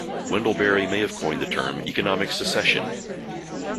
Wendell Berry may have coined the term economic secession.